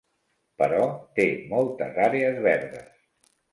Però té moltes àrees verdes.